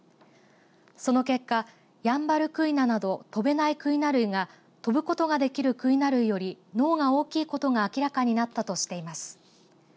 その結果ヤンバルクイナなど飛べないクイナ類が飛ぶことができるクイナ類より脳が大きいことが明らかになったとしています。